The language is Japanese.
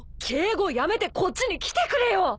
敬語やめてこっちに来てくれよ！